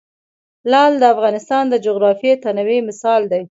لعل د افغانستان د جغرافیوي تنوع مثال دی.